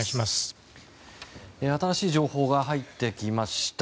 新しい情報が入ってきました。